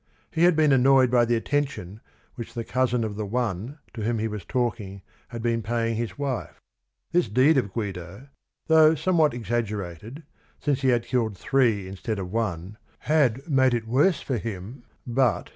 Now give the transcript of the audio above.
He had been annoyed by the attention which the cousin of the one to whom he was talking had been paying his wife. This deed of Guido, though somewhat exaggerated, since he had killed three instead of one, had made it worse for him, but